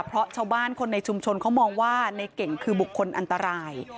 เพราะชาวบ้านคนในชุมชนเขามองว่าในเก่งคือบุคคลอันตราย